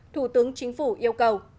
thủ tướng chính phủ yêu cầu